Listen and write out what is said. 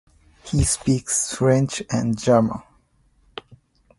He speaks French and German.